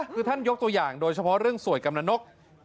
คือท่านยกตัวอย่างโดยเฉพาะเรื่องสวยกำลังนก